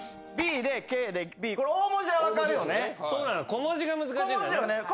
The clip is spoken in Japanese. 小文字が難しい。